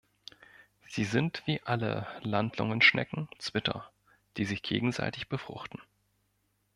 Sie sind wie alle Landlungenschnecken Zwitter, die sich gegenseitig befruchten.